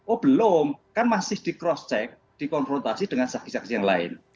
oh belum kan masih di cross check dikonfrontasi dengan saksi saksi yang lain